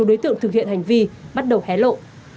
đối tượng thực hiện hành vi bắt đầu hé lộ